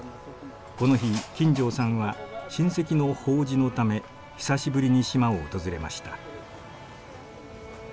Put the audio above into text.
この日金城さんは親戚の法事のため久しぶりに島を訪れました。